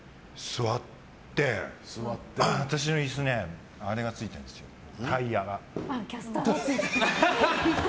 私の椅子ねあれがついてるんです、タイヤが。